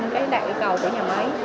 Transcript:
tám mươi cái đại yêu cầu của nhà máy